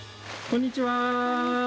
こんにちは。